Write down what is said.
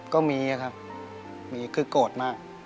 ก็มีครับมีคือโกรธมาก